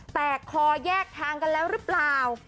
คอแยกทางกันแล้วหรือเปล่า